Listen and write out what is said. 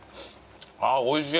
あっおいしい。